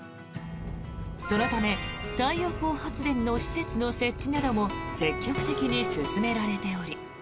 そのため太陽光発電の施設の設置なども積極的に進められており。